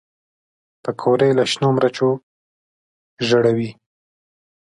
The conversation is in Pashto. پکورې له شنو مرچو ژړوي